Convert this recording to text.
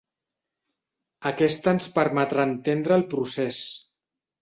Aquesta ens permetrà entendre el procés.